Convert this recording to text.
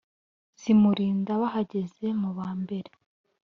zimulinda bahageze mu bambere